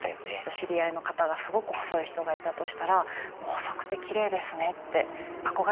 知り合いの方がすごく細い人がいたとしたらもう細くてきれいですねって憧れの気持ちを持って言うと。